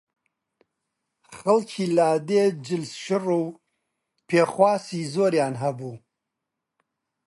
خەڵکی لادێ جلشڕ و پێخواسی زۆریان هەبوو